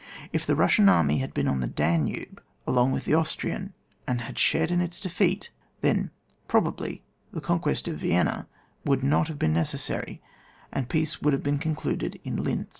If the Bussian army had been on the Danube along with the Austrian, and had shared in its defeat, then probably the conquest of Vienna would not have been necessary, and peace would have been concluded in linz.